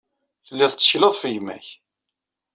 Telliḍ tettekleḍ ɣef gma-k.